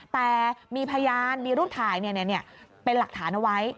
แต่มีพยานมีรูปถ่ายเป็นหลักฐานเอาไว้